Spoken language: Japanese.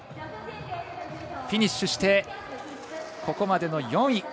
フィニッシュしてここまでの４位。